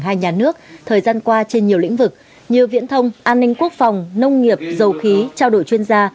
hai nhà nước thời gian qua trên nhiều lĩnh vực như viễn thông an ninh quốc phòng nông nghiệp dầu khí trao đổi chuyên gia